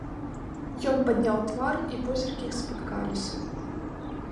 Ён падняў твар, і позіркі іх спаткаліся.